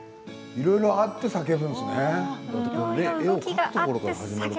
いろいろあって叫ぶわけですね。